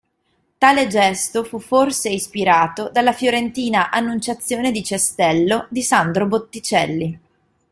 Tale gesto fu forse ispirato dalla fiorentina "Annunciazione di Cestello" di Sandro Botticelli.